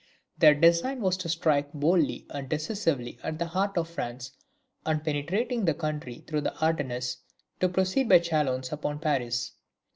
Their design was to strike boldly and decisively at the heart of France, and penetrating the country through the Ardennes, to proceed by Chalons upon Paris.